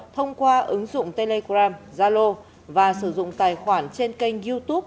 thông qua ứng dụng telegram zalo và sử dụng tài khoản trên kênh youtube